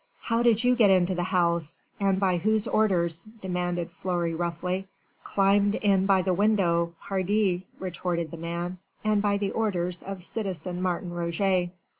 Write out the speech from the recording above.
"How did you get into the house? and by whose orders?" demanded Fleury roughly. "Climbed in by the window, pardi," retorted the man, "and by the orders of citizen Martin Roget."